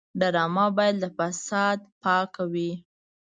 ډرامه باید له فساد پاکه وي